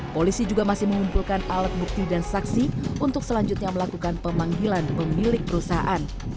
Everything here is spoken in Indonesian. polisi juga masih mengumpulkan alat bukti dan saksi untuk selanjutnya melakukan pemanggilan pemilik perusahaan